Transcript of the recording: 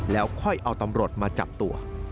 แล้วค่อยเอาตำรวจมาจับตัว